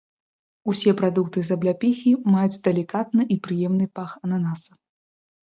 Усе прадукты з абляпіхі маюць далікатны і прыемны пах ананаса.